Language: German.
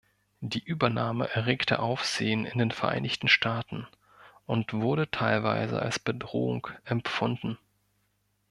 Die Übernahme erregte Aufsehen in den Vereinigten Staaten und wurde teilweise als Bedrohung empfunden.